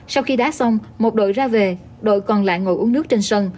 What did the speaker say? sau khi đá xong một đội ra về đội còn lại ngồi uống nước trên sân